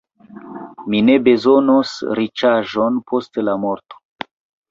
Mi ne bezonos riĉaĵon post la morto.